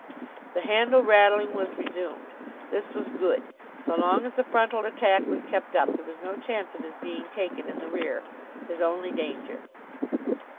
The handle rattling was resumed. This was good. So long as the frontal attack was kept up, there was no chance of his being taken in the rear his only danger.